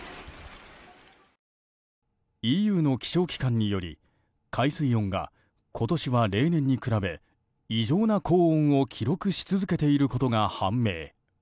ＥＵの気象機関により海水温が今年は例年に比べ異常な高温を記録し続けていることが判明。